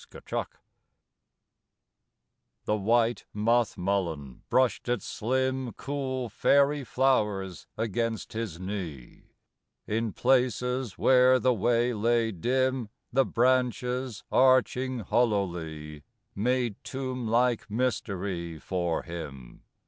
EIDOLONS The white moth mullein brushed its slim Cool, fairy flowers against his knee; In places where the way lay dim The branches, arching hollowly, Made tomb like mystery for him.